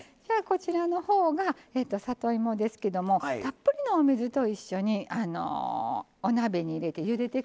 こちらの方が里芋ですけどもたっぷりのお水と一緒にお鍋に入れてゆでて下さい。